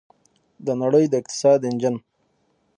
د نړۍ د اقتصاد انجن.